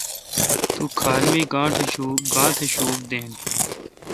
تو کھال می گانتھ شوک دین۔